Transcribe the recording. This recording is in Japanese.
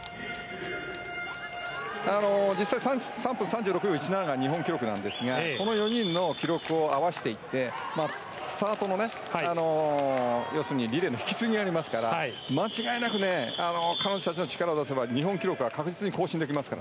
３分３６秒１７が日本記録なんですがこの４人の記録を合わせていってスタート、リレーの引き継ぎがありますから間違いなく彼女たちの力を出せば日本記録は確実に更新できます。